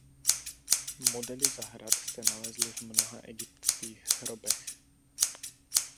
Modely zahrad se nalezly v mnoha egyptských hrobech.